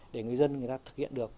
để người dân người ta thực hiện được